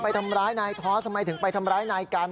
ไปทำร้ายนายทอสทำไมถึงไปทำร้ายนายกัน